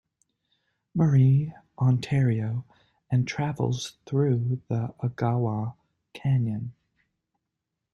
Marie, Ontario and travels through the Agawa Canyon.